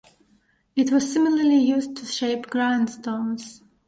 It was similarly used to shape grindstones.